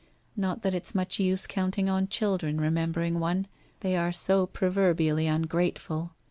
Not that it's much use counting on children remembering one, they are so proverbially ungrateful.